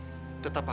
apa yang betul pak